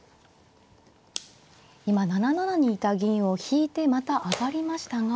今７七にいた銀を引いてまた上がりましたが。